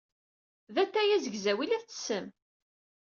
D atay azegzaw ay la tettessem?